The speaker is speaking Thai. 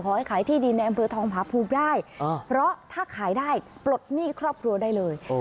ให้ขายที่ดินในอำเภอทองผาภูมิได้เพราะถ้าขายได้ปลดหนี้ครอบครัวได้เลย